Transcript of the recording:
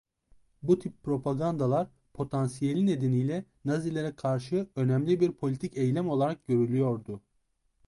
Bu tip propagandalar potansiyeli nedeniyle Nazilere karşı önemli bir politik eylem olarak görülüyordu.